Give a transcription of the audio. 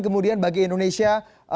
kemudian bagi indonesia